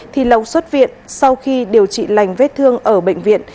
thì lộc xuất viện sau khi điều trị lành vết thương ở bệnh viện